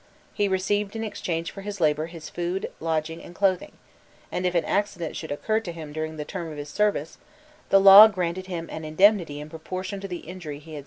He received in exchange for his labour his food, lodging, and clothing; and if an accident should occur to him during the term of his service, the law granted him an indemnity in proportion to the injury he had sustained.